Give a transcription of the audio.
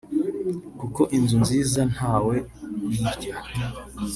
kuko inzu nziza ntawe uyirya